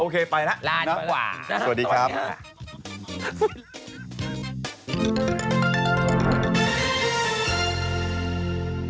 โอเคไปละลาดีกว่าสวัสดีครับลาดีกว่า